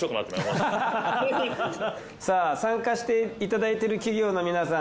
さあ参加していただいてる企業の皆さん